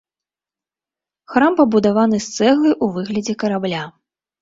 Храм пабудаваны з цэглы ў выглядзе карабля.